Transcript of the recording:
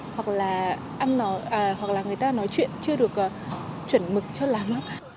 hoặc là người ta nói chuyện chưa được chuẩn mực cho làm